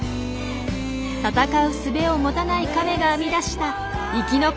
戦うすべを持たないカメが編み出した生き残りの作戦。